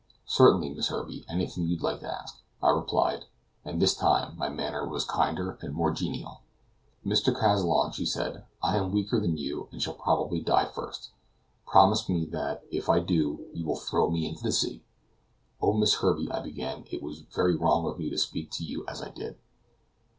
"Certainly, Miss Herbey; anything you like to ask," I replied; and this time my manner was kinder and more genial. "Mr. Kazallon," she said, "I am weaker than you, and shall probably die first. Promise me that, if I do, you will throw me into the sea!" "Oh, Miss Herbey," I began, "it was very wrong of me to speak to you as I did!"